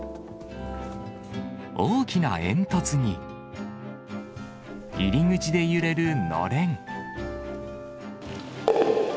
大きな煙突に、入り口で揺れるのれん。